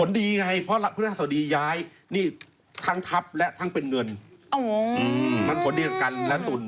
ผลดีไงเพราะราศรีพฤษฐศาสตรีย้ายทั้งทับและทั้งเป็นเงินมันผลดีกับกันราศรีตุน